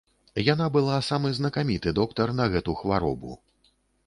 Яна была самы знакаміты доктар на гэту хваробу.